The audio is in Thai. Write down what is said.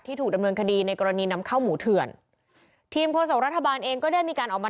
ถูกดำเนินคดีในกรณีนำเข้าหมูเถื่อนทีมโฆษกรัฐบาลเองก็ได้มีการออกมา